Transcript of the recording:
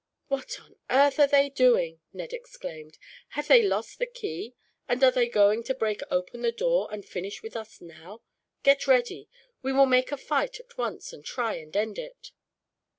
"What on earth are they doing?" Ned exclaimed. "Have they lost the key, and are they going to break open the door, and finish with us, now? Get ready. We will make a fight at once, and try and end it."